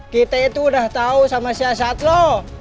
kita itu udah tau sama si asatlo